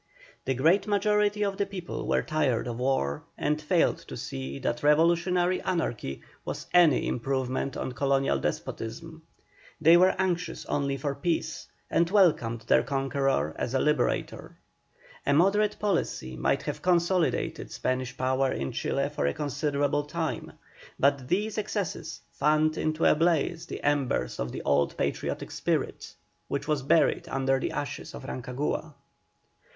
The great majority of the people were tired of war, and failed to see that revolutionary anarchy was any improvement on colonial despotism; they were anxious only for peace, and welcomed their conqueror as a liberator. A moderate policy might have consolidated Spanish power in Chile for a considerable time, but these excesses fanned into a blaze the embers of the old patriotic spirit, which was buried under the ashes of Rancagua.